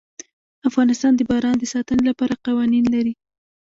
افغانستان د باران د ساتنې لپاره قوانین لري.